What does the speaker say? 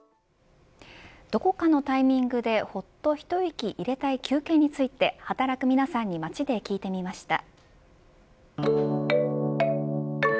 どこかのタイミングでほっとひといき入れたい休憩について働く皆さんに街で聞いてみました。